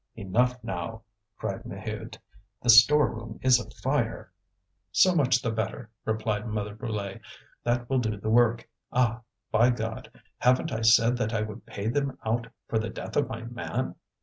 "Enough, now!" cried Maheude; "the store room is afire." "So much the better," replied Mother Brulé. "That will do the work. Ah, by God! haven't I said that I would pay them out for the death of my man!"